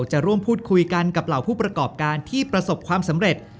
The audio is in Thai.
จะร่วมพูดคุยกันกับเหล่าผู้ประกอบการที่ประสบความสำเร็จ